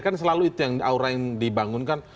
kan selalu itu yang aura yang dibangunkan